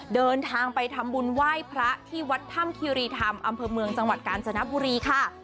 เดินทางไปทำบุญไหว้พระที่วัดถ้ำคิรีธรรมอำเภอเมืองจังหวัดกาญจนบุรีค่ะ